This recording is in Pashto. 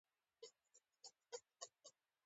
د زراعتي فعالیتونو کې د ښځو ونډه باید وده ومومي.